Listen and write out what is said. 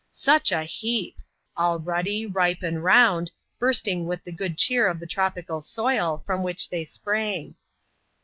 Such a heap ! All ruddy, npe, and round — bursting with the good cheer of the tropical soil, from which they sprang